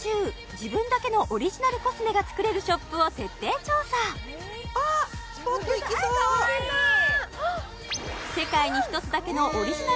自分だけのオリジナルコスメが作れるショップを徹底調査作りに自分のをご紹介します何？